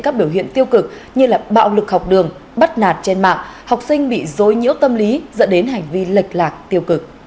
các biểu hiện tiêu cực như bạo lực học đường bắt nạt trên mạng học sinh bị dối nhiễu tâm lý dẫn đến hành vi lệch lạc tiêu cực